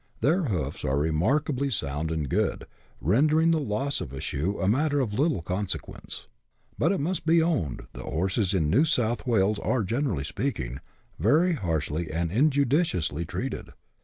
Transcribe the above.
Their hoofs are remarkably sound and good, rendering the loss of a shoe a matter of little consequence. But it must be owned that horses in New South "Wales are, generally speaking, very harshly and injudiciously treated.